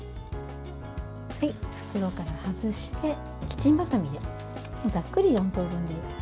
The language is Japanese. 袋から外してキッチンバサミでざっくり４等分です。